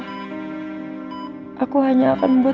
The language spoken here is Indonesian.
cara menghancurkan kepentinan